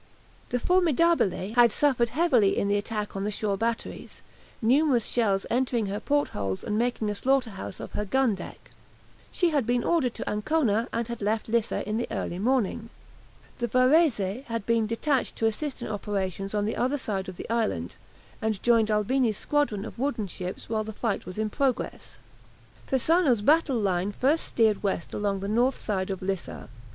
The "Formidabile" had suffered heavily in the attack on the shore batteries, numerous shells entering her port holes and making a slaughterhouse of her gun deck. She had been ordered to Ancona, and had left Lissa in the early morning. The "Varese" had been detached to assist in operations on the other side of the island, and joined Albini's squadron of wooden ships while the fight was in progress. Persano's battle line first steered west along the north side of Lissa.